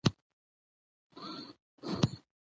مېلې د نوښتو د پېژندلو له پاره ښه فرصتونه دي.